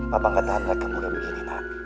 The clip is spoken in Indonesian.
pak aku akan tahan rekanmu lagi begini nak